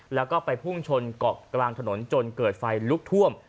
แล้วก็ไปพุ่งชนเกาะกลางถนนจนเกิดไฟลุกท่วม